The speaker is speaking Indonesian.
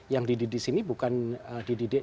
yang dididik disini bukan dididik